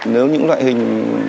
nếu những loại hình